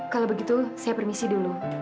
kalau begitu saya permisi dulu